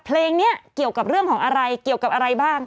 เพลงนี้เกี่ยวกับเรื่องของอะไรเกี่ยวกับอะไรบ้าง